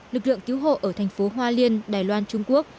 lực lượng cứu hộ ở thành phố hoa liên đài loan trung quốc